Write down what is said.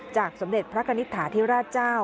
จากสำเด็ดพระกณิตถาธิราชเจ้า